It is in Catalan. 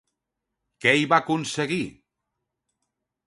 Què hi va aconseguir?